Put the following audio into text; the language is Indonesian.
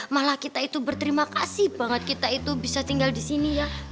malah kita itu berterima kasih banget kita itu bisa tinggal di sini ya